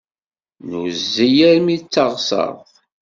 Nuzzel armi d taɣsert.